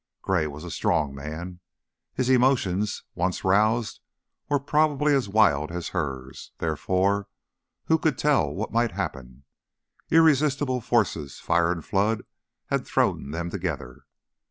Gray was a strong man; his emotions, once roused, were probably as wild as hers, therefore who could tell what might happen? Irresistible forces, fire and flood, had thrown them together.